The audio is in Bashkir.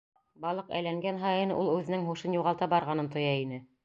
Балыҡ әйләнгән һайын, ул үҙенең һушын юғалта барғанын тоя ине.